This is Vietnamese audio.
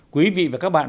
quý vị và các bạn